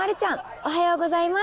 おはようございます。